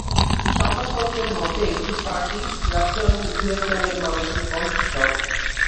সংবাদপত্রের মতে এটি "পার্টি, রাজ্য এবং ভিয়েতনামের মানুষের কণ্ঠস্বর"।